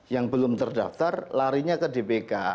yang belum terdaftar larinya ke dpk